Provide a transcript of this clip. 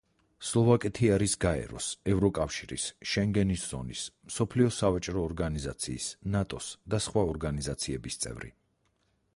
სლოვაკეთი არის გაერო-ს, ევროკავშირის, შენგენის ზონის, მსოფლიო სავაჭრო ორგანიზაციის, ნატო-ს და სხვა ორგანიზაციების წევრი.